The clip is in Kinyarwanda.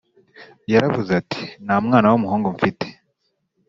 yaravuze ati Nta mwana w umuhungu mfite